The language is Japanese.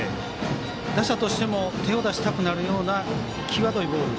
打者としても手を出したくなるような際どいボール。